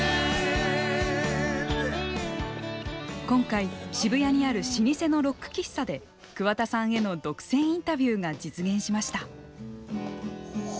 今回渋谷にある老舗のロック喫茶で桑田さんへの独占インタビューが実現しました。